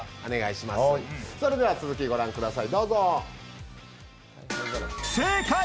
それでは、続きを御覧ください。